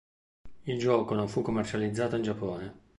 Il gioco non fu commercializzato in Giappone.